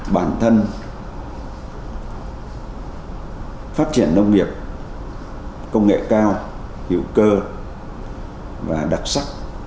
bản thân phát triển nông nghiệp công nghệ cao hiệu cơ và đặc sắc